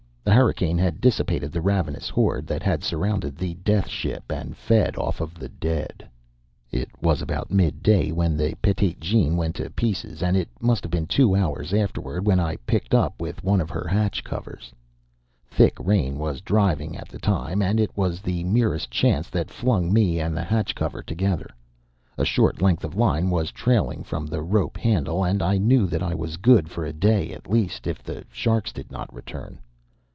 The hurricane had dissipated the ravenous horde that had surrounded the death ship and fed off the dead. It was about midday when the Petite Jeanne went to pieces, and it must have been two hours afterwards when I picked up with one of her hatch covers. Thick rain was driving at the time; and it was the merest chance that flung me and the hatch cover together. A short length of line was trailing from the rope handle; and I knew that I was good for a day, at least, if the sharks did not return.